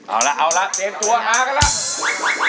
เอาล่ะเตรียมตัวมากันแล้ว